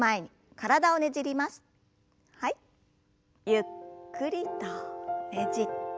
ゆっくりとねじって。